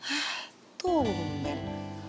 ah tuh men